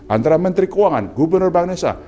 antara menteri keuangan gubernur bank indonesia